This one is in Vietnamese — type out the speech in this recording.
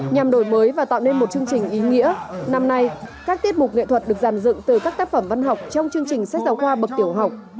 nhằm đổi mới và tạo nên một chương trình ý nghĩa năm nay các tiết mục nghệ thuật được giàn dựng từ các tác phẩm văn học trong chương trình sách giáo khoa bậc tiểu học